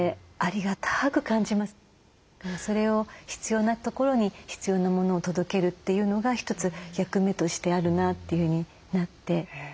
それを必要なところに必要なものを届けるというのが一つ役目としてあるなというふうになってますね。